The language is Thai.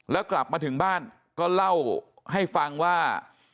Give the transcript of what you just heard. แล้วกลับมาถึงบ้านก็เล่าให้ฟังว่า